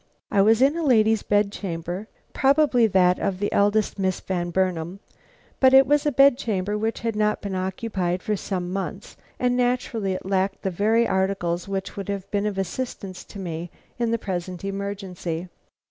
I was in a lady's bed chamber, probably that of the eldest Miss Van Burnam; but it was a bed chamber which had not been occupied for some months, and naturally it lacked the very articles which would have been of assistance to me in the present emergency.